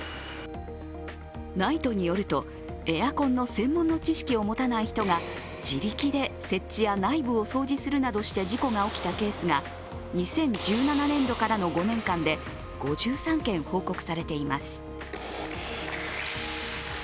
ＮＩＴＥによると、エアコンの専門の知識を持たない人が自力で設置や内部を掃除するなどして事故が起きたケースが２０１７年度からの５年間で５３件報告されています。